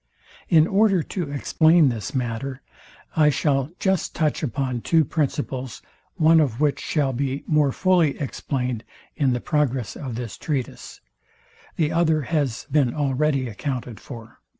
In order to explain this matter, I shall just touch upon two principles, one of which shall be more fully explained in the progress of this treatise; the other has been already accounted for.